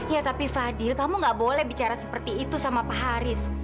ya tapi fadil kamu gak boleh bicara seperti itu sama pak haris